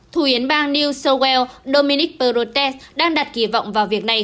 thủ yến bang new south wales dominic perutes đang đặt kỳ vọng vào việc này